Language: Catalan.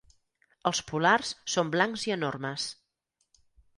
Els polars són blancs i enormes.